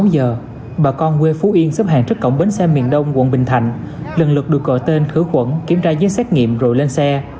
một mươi sáu h bà con quê phú yên xếp hàng trước cổng bến xe miền đông quận bình thạnh lần lượt được gọi tên khứa quẩn kiểm tra giấy xét nghiệm rồi lên xe